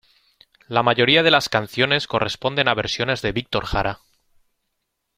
La mayoría de las canciones corresponden a versiones de Víctor Jara.